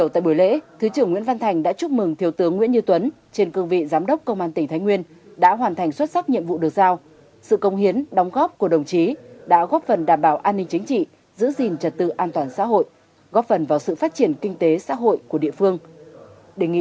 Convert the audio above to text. tại buổi lễ thứ trưởng nguyễn văn thành đã chúc mừng thiếu tướng nguyễn như tuấn trên cương vị giám đốc công an tỉnh thái nguyên đã hoàn thành xuất sắc nhiệm vụ được giao sự công hiến đóng góp của đồng chí đã góp phần đảm bảo an ninh chính trị giữ gìn trật tự an toàn xã hội góp phần vào sự phát triển kinh tế xã hội của địa phương